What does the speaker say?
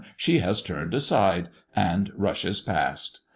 She has turned aside, and rushes past.